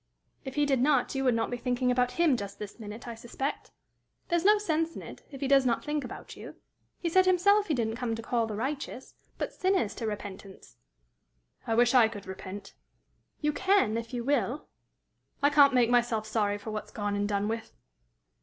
"If he did not, you would not be thinking about him just this minute, I suspect. There's no sense in it, if he does not think about you. He said himself he didn't come to call the righteous, but sinners to repentance." "I wish I could repent." "You can, if you will." "I can't make myself sorry for what's gone and done with."